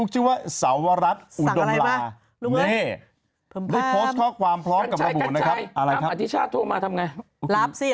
จริงเอามาดูซิ